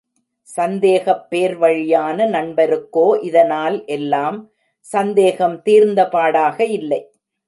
சந்தேகப் பேர்வழியான நண்பருக்கோ, இதனால் எல்லாம் சந்தேகம் தீர்ந்த பாடாக இல்லை.